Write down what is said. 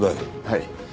はい。